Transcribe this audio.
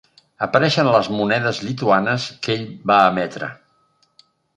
Apareixen a les monedes lituanes que ell va emetre.